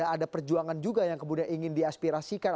ada perjuangan juga yang kemudian ingin diaspirasikan